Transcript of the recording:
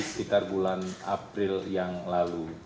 sekitar bulan april yang lalu